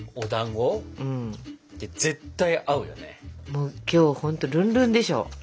もう今日ほんとルンルンでしょ？